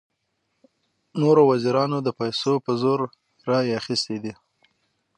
نورو وزیرانو د پیسو په زور رایې اخیستې دي.